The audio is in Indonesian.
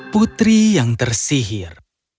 putri yang tersihir